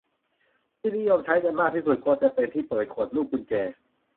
ที่นิยมใช้กันมากที่สุดก็จะเป็นที่เปิดขวดรูปกุญแจ